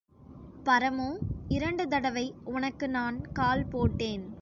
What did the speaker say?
பரமு, இரண்டு தடவை உனக்கு நான் கால் போட்டேன்.